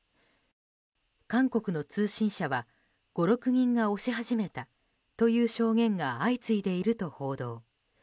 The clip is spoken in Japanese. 韓国の通信社は５６人が押し始めたという証言が相次いでいると報道。